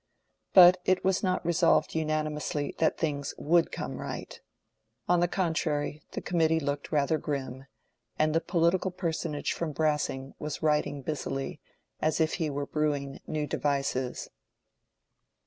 But it was not resolved unanimously that things would come right; on the contrary, the committee looked rather grim, and the political personage from Brassing was writing busily, as if he were brewing new devices.